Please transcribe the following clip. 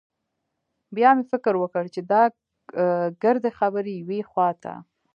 بيا مې فکر وکړ چې دا ګردې خبرې يوې خوا ته.